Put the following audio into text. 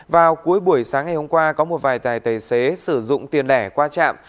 vào cuối buổi sáng ngày hôm qua có một vài tài tài xế sử dụng tiền lẻ qua trạm